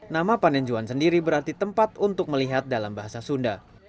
nama panenjuan sendiri berarti tempat untuk melihat dalam bahasa sunda